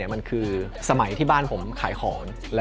มันคือสมัยที่บ้านผมขายของ